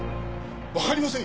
わかりませんよ！